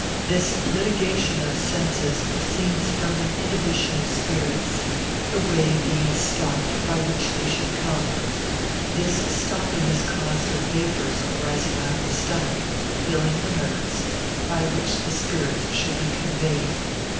This litigation of senses proceeds from an inhibition of spirits, the way being stopped by which they should come; this stopping is caused of vapours arising out of the stomach, filling the nerves, by which the spirits should be conveyed.